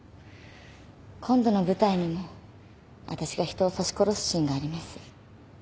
今度の舞台にも私が人を刺し殺すシーンがあります。